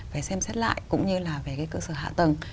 phải xem xét lại cũng như là về cái cơ sở hạ tầng